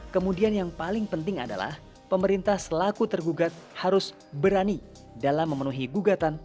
kemudian yang paling penting adalah pemerintah selaku tergugat harus berani dalam memenuhi gugatan